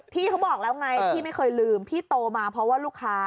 พี่เขาบอกแล้วไงพี่ไม่เคยลืมพี่โตมาเพราะว่าลูกค้า